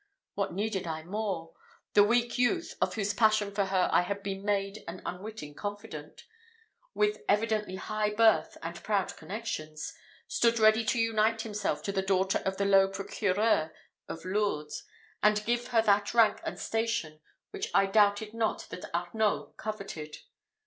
What needed I more? The weak youth, of whose passion for her I had been made an unwitting confidant, with evidently high birth and proud connections, stood ready to unite himself to the daughter of the low procureur of Lourdes, and give her that rank and station which I doubted not that Arnault coveted.